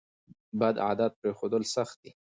بد عادت پریښودل سخت دي.